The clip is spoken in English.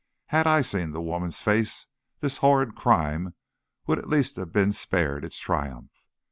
Had I seen the woman's face, this horrid crime would at least been spared its triumph.